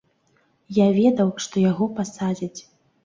Я ведаў, што яго пасадзяць.